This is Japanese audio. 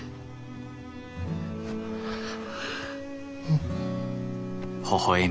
うん。